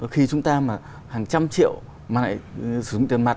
khi chúng ta mà hàng trăm triệu mà lại sử dụng tiền mặt